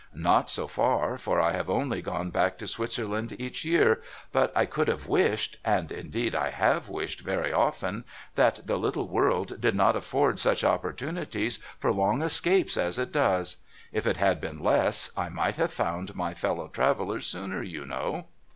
' Not so far, for I have only gone back to Switzerland each year ; but I could have wished — and indeed I have wished very often —■ that the little world did not afford such opportunities for long escapes as it does. If it had been less, I might have found my fellow travellers sooner, you know.'